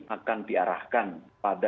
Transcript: akan diarahkan pada